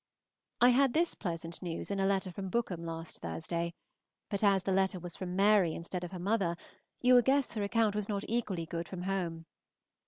I had this pleasant news in a letter from Bookham last Thursday; but as the letter was from Mary instead of her mother, you will guess her account was not equally good from home.